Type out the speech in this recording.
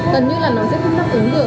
tần như là nó sẽ không nắp ứng được